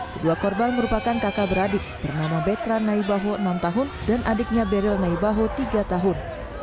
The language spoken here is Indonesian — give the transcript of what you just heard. kedua korban merupakan kakak beradik bernama betra naibaho enam tahun dan adiknya beriel naibaho tiga tahun